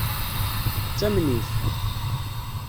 Tettamen-it?